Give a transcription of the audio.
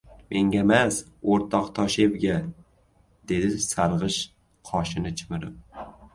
— Mengamas, o‘rtoq Toshevga, — dedi sarg‘ish qoshini chimirib.